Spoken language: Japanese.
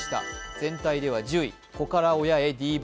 全体では１０位、子から親へＤＶ。